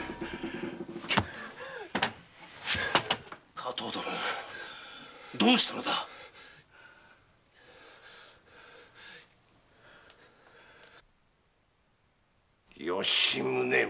加東殿どうしたのだ吉宗め